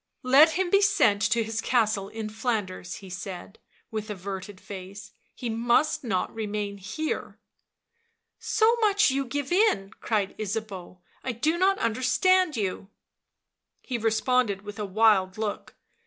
Let him be sent to his castle in Flanders," he said, with averted face. " He must not remain here." " So much you give in !" cried Ysabeau. u I do not understand you." He responded with a wild look.